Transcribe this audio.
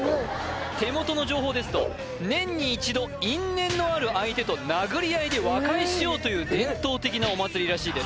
手元の情報ですと年に一度因縁のある相手と殴り合いで和解しようという伝統的なお祭りらしいです